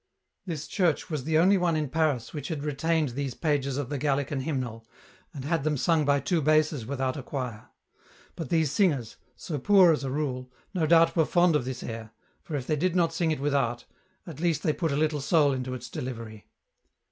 This church was the only one in Paris which had retained these pages of the Gallican hymnal, and had them sung by two basses without a choir ; but these singers, so poor as a rule, no doubt were fond of this air, for if they did not sing it with art, at least they put a little soul into its delivery.